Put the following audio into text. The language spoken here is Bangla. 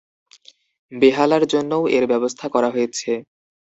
বেহালার জন্যও এর ব্যবস্থা করা হয়েছে।